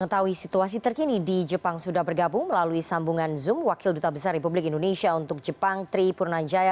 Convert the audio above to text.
mengetahui situasi terkini di jepang sudah bergabung melalui sambungan zoom wakil duta besar republik indonesia untuk jepang tri purnanjaya